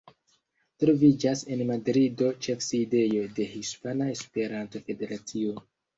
Troviĝas en Madrido ĉefsidejo de Hispana Esperanto-Federacio.